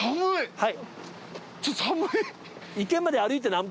はい。